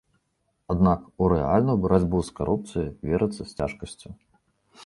Аднак у рэальную барацьбу з карупцыяй верыцца з цяжкасцю.